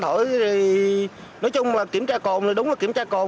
thổi thì nói chung là kiểm tra cồn thì đúng là kiểm tra cồn